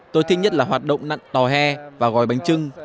tôi thích nhất là hoạt động nặng tò he và gói bánh trưng